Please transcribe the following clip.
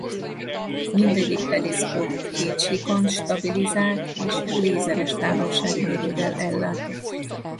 Mindegyik periszkóp két síkon stabilizált és lézeres távolságmérővel ellátott.